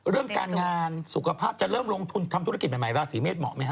เรื่องการงานสุขภาพจะเริ่มลงทุนทำธุรกิจใหม่ราศีเมษเหมาะไหมฮ